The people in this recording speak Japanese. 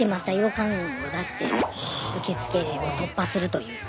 感を出して受付を突破するというか。